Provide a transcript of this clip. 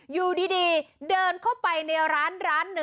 อยู่ดีเดินเข้าไปในร้าน๑